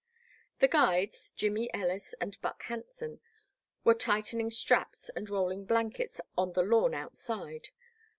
The guides, Jimmy Ellis and Buck Hanson, were tightening straps and rolling blankets on the lawn outside.